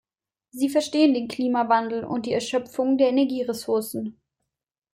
Sie verstehen den Klimawandel und die Erschöpfung der Energieressourcen.